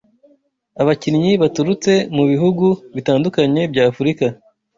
abakinnyi baturutse mu bihugu bitandukanye by’Afurika